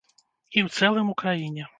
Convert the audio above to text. І ў цэлым у краіне.